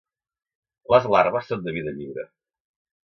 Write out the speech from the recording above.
Les larves són de vida lliure.